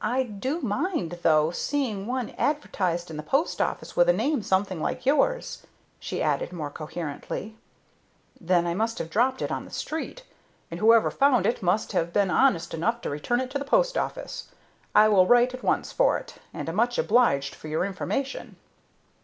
"I do mind, though, seeing one advertised in the post office with a name something like yours," she added, more coherently. "Then I must have dropped it on the street, and whoever found it must have been honest enough to return it to the post office. I will write at once for it, and am much obliged for your information."